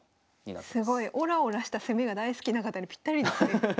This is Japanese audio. すごいオラオラした攻めが大好きな方にぴったりですね。